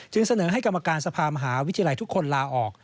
เสนอให้กรรมการสภามหาวิทยาลัยทุกคนลาออก